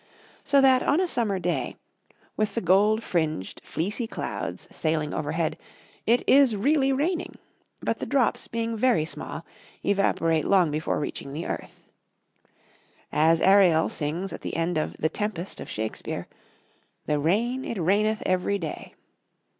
So that on a summer day, with the gold fringed, fleecy clouds sailing overhead, it is really raining; but the drops, being very small, evaporate long before reaching the earth. As Ariel sings at the end of "The Tempest" of Shakespeare, "The rain, it raineth every day."